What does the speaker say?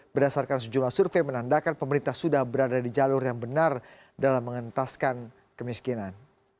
berdasarkan sejumlah survei menandakan pemerintah sudah berada di jalur yang benar dalam mengentaskan kemiskinan